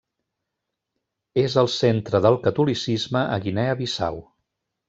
És el centre del catolicisme a Guinea Bissau.